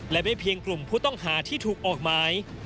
และไม่เพียงกลุ่มผู้ต้องหาที่ถูกออกหมาย